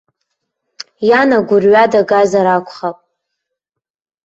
Иан агәырҩа дагазар акәхап.